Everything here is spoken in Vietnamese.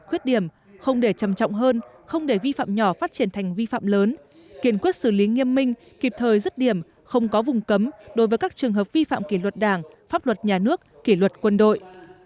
khuyết điểm không để trầm trọng hơn không để vi phạm nhỏ phát triển thành vi phạm lớn kiên quyết xử lý nghiêm minh kịp thời rứt điểm không có vùng cấm đối với các trường hợp vi phạm kỷ luật đảng pháp luật nhà nước kỷ luật quân đội